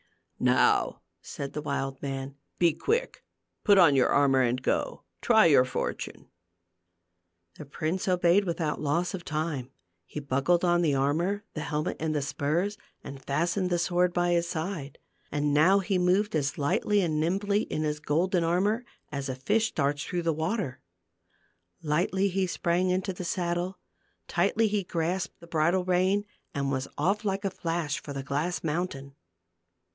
"Now," said the wild man, "be quick ; put on your armor and go — try your fortune." The prince obeyed without loss of time. He buckled on the armor, the helmet and the spurs, and fastened the sword by his side. And now he moved as lightly and nimbly in his golden armor as a fish darts through the water. Lightly he sprang into the saddle, tightly he grasped the bridle rein and was off like a flash for the glass mountain.